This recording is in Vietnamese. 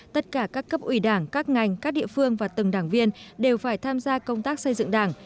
tất cả các cấp ủy đảng các ngành các địa phương và từng đảng viên đều phải tham gia công tác xây dựng đảng